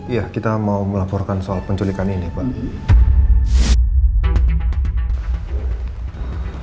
iya kita mau melaporkan soal penculikan ini pak